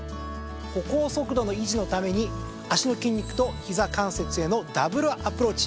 歩行速度の維持のために脚の筋肉とひざ関節へのダブルアプローチ。